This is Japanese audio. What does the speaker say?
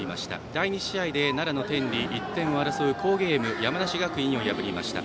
第２試合で奈良・天理が１点を争う好ゲーム山梨学院を破りました。